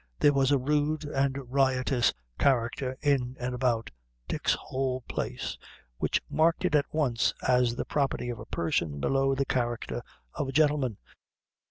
There was a rude and riotous character in and about Dick's whole place, which marked it at once as the property of a person below the character of a gentleman.